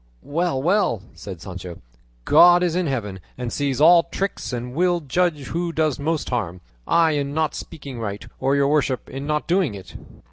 "Well, well," said Sancho, "God is in heaven, and sees all tricks, and will judge who does most harm, I in not speaking right, or your worship in not doing it."